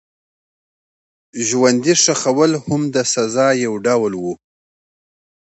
ژوندي ښخول هم د سزا یو ډول و.